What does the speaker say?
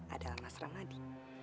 adalah mas ramadi